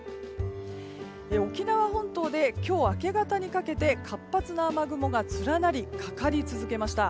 沖縄本島で今日明け方にかけて活発な雨雲が連なりかかり続けました。